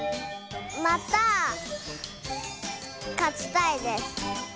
またかちたいです。